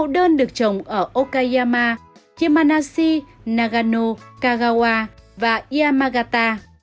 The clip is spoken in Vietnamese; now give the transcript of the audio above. nho mẫu đơn được trồng ở okayama chimanashi nagano kagawa và yamagata